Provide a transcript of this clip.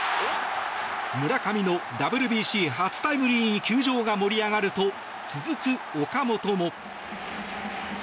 村上のＷＢＣ初タイムリーに球場が盛り上がると続く岡本も。